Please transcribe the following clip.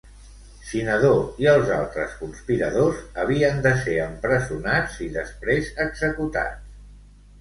Cinadó i els altres conspiradors havien de ser empresonats i després executats.